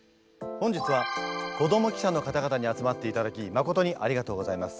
本日は子ども記者の方々に集まっていただきまことにありがとうございます。